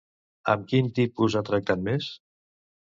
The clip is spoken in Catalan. Amb quin tipus ha tractat més?